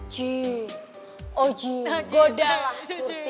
jin oh jin godalah surti